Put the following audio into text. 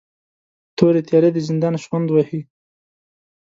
تورې تیارې د زندان شخوند وهي